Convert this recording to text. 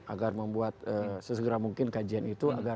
agar membuat sesegera mungkin kajian itu